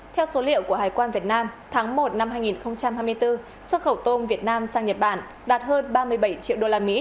theo số liệu của hải quan việt nam tháng một năm hai nghìn hai mươi bốn xuất khẩu tôm việt nam sang nhật bản đạt hơn ba mươi bảy triệu usd